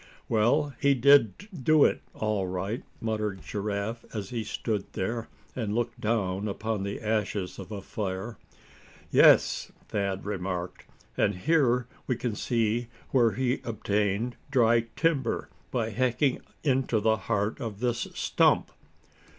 "Well, he did do it, all right," muttered Giraffe, as he stood there, and looked down upon the ashes of a fire. "Yes," Thad remarked, "and here we can see where he obtained dry timber by hacking into the heart of this stump."